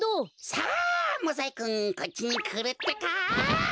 さあモザイクンこっちにくるってか！